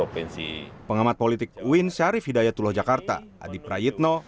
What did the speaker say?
pengamat politik uin syarif hidayatullah jakarta adip rayitno